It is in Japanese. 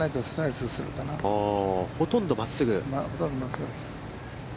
ほとんどまっすぐです。